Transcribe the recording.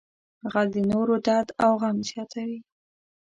غل د نورو درد او غم زیاتوي